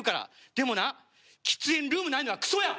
でもな喫煙ルームないのはくそや！